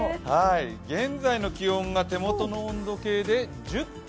現在の気温が、手元の温度計で１０．２度。